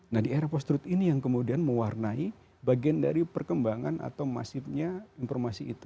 nah di era post truth ini yang kemudian mewarnai bagian dari perkembangan atau masifnya informasi itu